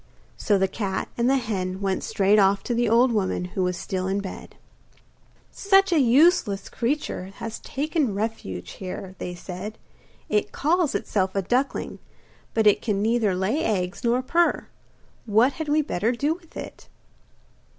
So the cat and the hen went straight off to the old woman, who was still in bed. 'Such a useless creature has taken refuge here,' they said. 'It calls itself a duckling; but it can neither lay eggs nor purr! What had we better do with it?